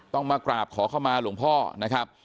ต้องมากราบขอเข้ามาหลวงพ่อนะครับ